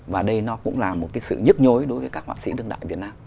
và đây nó cũng là một cái sự nhức nhối đối với cả họa sĩ đương đại việt nam